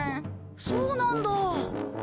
そうなんだ。